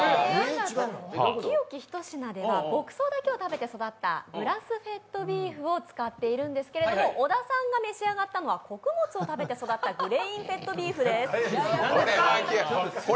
清喜ひとしなでは牧草だけを食べて育ったグラスフェッドビーフを使っているんですけれども小田さんが召し上がったものは穀物を食べて育ったグレインフェッドビーフです。